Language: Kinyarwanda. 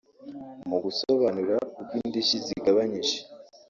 Mu gusobanura uko indishyi zigabanyije